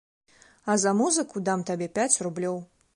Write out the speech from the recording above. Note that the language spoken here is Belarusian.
А за музыку дам табе пяць рублёў.